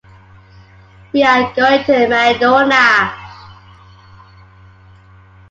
We are going to Mediona.